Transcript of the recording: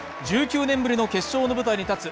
１９年ぶりの決勝の舞台に立つ